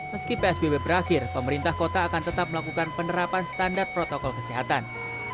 meski psbb berakhir pemerintah kota akan tetap melakukan penerapan standar protokol kesehatan